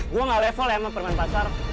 gue gak level ya sama permen pasar